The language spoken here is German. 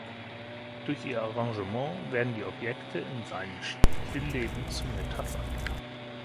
Durch ihr Arrangement werden die Objekte in seinen Stillleben zu Metaphern.